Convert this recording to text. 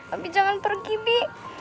abik jangan pergi bi